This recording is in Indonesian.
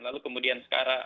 lalu kemudian sekarang